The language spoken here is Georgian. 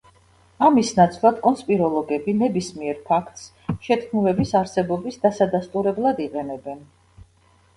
ამის ნაცვლად კონსპიროლოგები ნებისმიერ ფაქტს შეთქმულების არსებობის დასადასტურებლად იყენებენ.